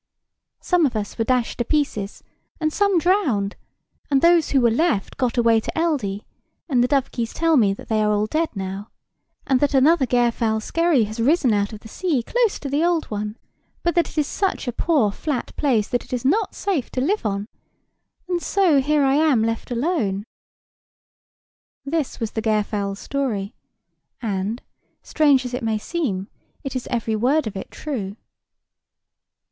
Some of us were dashed to pieces, and some drowned; and those who were left got away to Eldey, and the dovekies tell me they are all dead now, and that another Gairfowlskerry has risen out of the sea close to the old one, but that it is such a poor flat place that it is not safe to live on: and so here I am left alone." This was the Gairfowl's story, and, strange as it may seem, it is every word of it true.